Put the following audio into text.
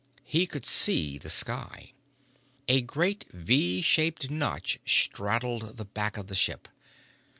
He could see the sky. A great V shaped notch straddled the back of the ship.